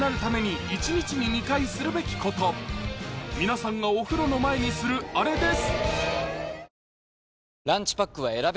皆さんがお風呂の前にするあれです